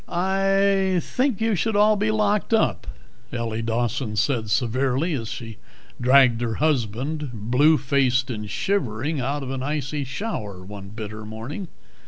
"I think you should all be locked up," Ellie Dawson said severely as she dragged her husband, blue faced and shivering, out of an icy shower one bitter morning.